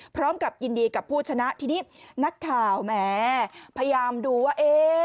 พร้อมกับยินดีกับผู้ชนะทีนี้นักข่าวแหมพยายามดูว่า